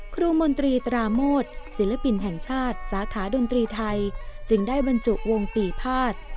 มนตรีตราโมทศิลปินแห่งชาติสาขาดนตรีไทยจึงได้บรรจุวงปีภาษ